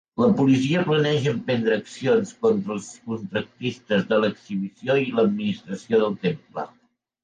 La policia planeja emprendre accions contra els contractistes de l'exhibició i l'administració del temple.